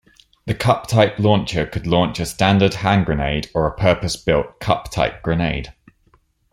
The cup-type launcher could launch a standard hand-grenade or a purpose built cup-type grenade.